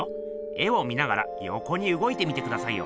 絵を見ながらよこにうごいてみてくださいよ。